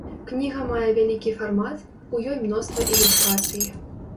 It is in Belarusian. Кніга мае вялікі фармат, у ёй мноства ілюстрацый.